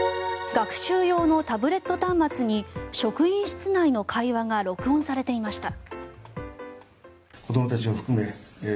学習用のタブレット端末に職員室内の会話が録音されていました。